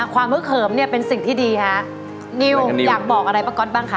ฮึกเหิมเนี่ยเป็นสิ่งที่ดีฮะนิวอยากบอกอะไรป้าก๊อตบ้างคะ